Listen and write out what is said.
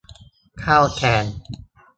ข้าวแกง